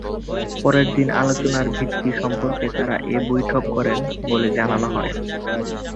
পরদিনের আলোচনার ভিত্তি সম্পর্কে তাঁরা এ বৈঠক করেন বলে জানানো হয়।